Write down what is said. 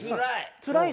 つらい！